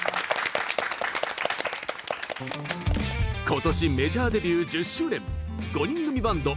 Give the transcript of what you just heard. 今年メジャーデビュー１０周年５人組バンドｗａｃｃｉ。